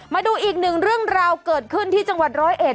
มาดูอีกหนึ่งเรื่องราวเกิดขึ้นที่จังหวัดร้อยเอ็ด